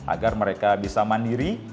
agar mereka bisa mandiri